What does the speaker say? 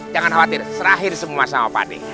jangan khawatir serahir semua sama padi